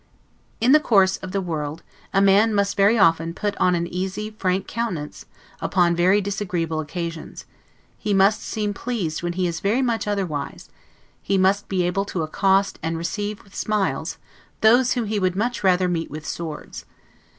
In the course of the world, a man must very often put on an easy, frank countenance, upon very disagreeable occasions; he must seem pleased when he is very much otherwise; he must be able to accost and receive with smiles, those whom he would much rather meet with swords.